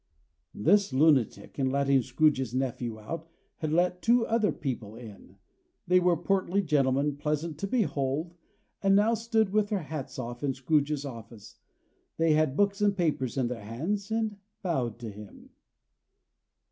This lunatic, in letting Scrooge's nephew out, had let two other people in. They were portly gentlemen, pleasant to behold, and now stood, with their hats off, in Scrooge's office. They had books and papers in their hands, and bowed to him.